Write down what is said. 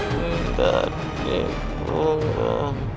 tanda di bunga